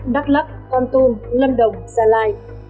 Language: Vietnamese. đắk lắk con tôn lâm đồng gia lai